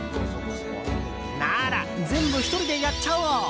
なら、全部１人でやっちゃおう。